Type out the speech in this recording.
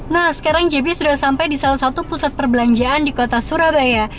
nah sekarang jb sudah sampai di salah satu pusat perbelanjaan di kota surabaya